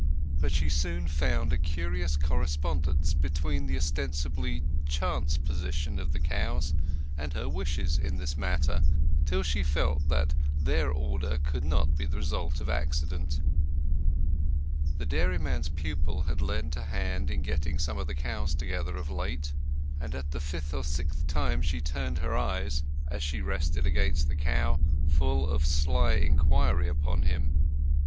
But she soon found a curious correspondence between the ostensibly chance position of the cows and her wishes in this matter, till she felt that their order could not be the result of accident. The dairyman's pupil had lent a hand in getting the cows together of late, and at the fifth or sixth time she turned her eyes, as she rested against the cow, full of sly inquiry upon him.